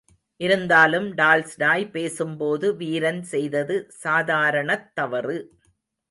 இருந்தாலும், டால்ஸ்டாய் பேசும் போது, வீரன் செய்தது சாதாரணத் தவறு.